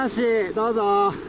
どうぞ。